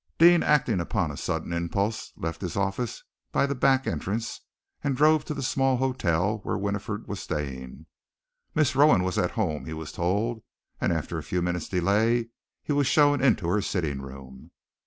Deane, acting upon a sudden impulse, left his office by the back entrance and drove to the small hotel where Winifred was staying. Miss Rowan was at home, he was told, and after a few minutes' delay he was shown into her sitting room.